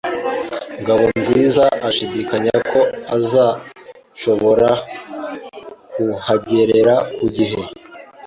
Ngabonziza ashidikanya ko azashobora kuhagera ku gihe.